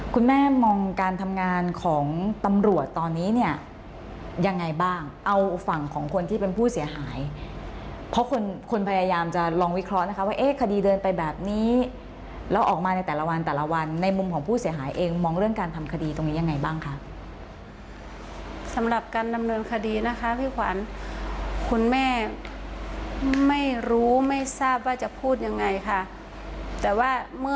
คุณแม่มองการทำงานของตำรวจตอนนี้เนี่ยยังไงบ้างเอาฝั่งของคนที่เป็นผู้เสียหายเพราะคนคนพยายามจะลองวิเคราะห์นะคะว่าเอ๊ะคดีเดินไปแบบนี้แล้วออกมาในแต่ละวันแต่ละวันในมุมของผู้เสียหายเองมองเรื่องการทำคดีตรงนี้ยังไงบ้างคะสำหรับการดำเนินคดีนะคะพี่ขวัญคุณแม่ไม่รู้ไม่ทราบว่าจะพูดยังไงค่ะแต่ว่าเมื่อ